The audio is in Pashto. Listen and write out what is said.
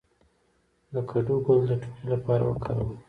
د کدو ګل د ټوخي لپاره وکاروئ